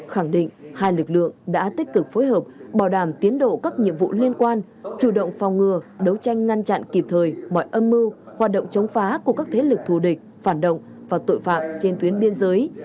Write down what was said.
khẳng định hai lực lượng đã tích cực phối hợp bảo đảm tiến độ các nhiệm vụ liên quan chủ động phòng ngừa đấu tranh ngăn chặn kịp thời mọi âm mưu hoạt động chống phá của các thế lực thù địch phản động và tội phạm trên tuyến biên giới